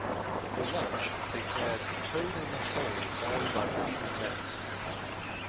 For lunch, they had toad-in-the-hole followed by Eton mess